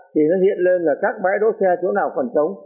thì nó hiện lên là các bãi đỗ xe chỗ nào còn trống